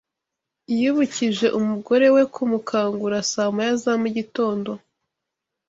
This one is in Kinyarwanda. Yibukije umugore we kumukangura saa moya za mugitondo